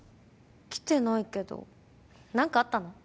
来てないけど何かあったの？